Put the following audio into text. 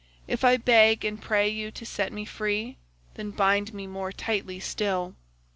If I beg and pray you to set me free, then bind me more tightly still.